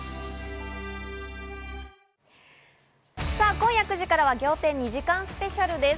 今夜９時からは『仰天』２時間スペシャルです。